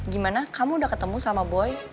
gimana kamu udah ketemu sama boy